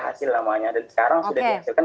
hasil lamanya dan sekarang sudah dihasilkan